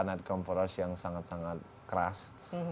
night come for us yang sangat sangat keras